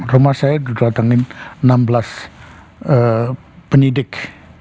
rumah saya didatangin enam belas penyidik